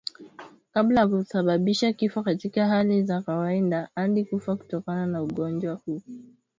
kabla ya kusababisha kifo Katika hali za kawaida hadi hufa kutokana na ugonjwa huu